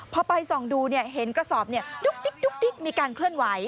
พอไปส่องดูเห็นกระสอบดุ๊กดิ๊กมีการเคลื่อนไหว